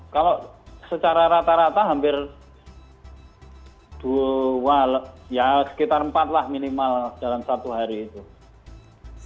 kalau secara rata rata hampir sekitar empat lah minimal dalam satu hari itu